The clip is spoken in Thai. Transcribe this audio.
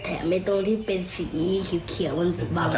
แล้วแถมให้ตรงที่เป็นสีเขียวบาง